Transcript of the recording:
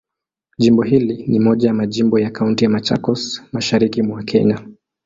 Jimbo hili ni moja ya majimbo ya Kaunti ya Machakos, Mashariki mwa Kenya.